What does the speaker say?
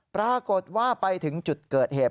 ปรากฏว่าไปถึงจุดเกิดเหตุ